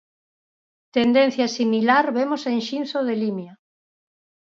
Tendencia similar vemos en Xinzo de Limia.